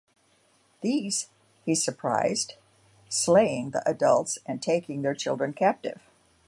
These he surprised, slaying the adults and taking their children captive.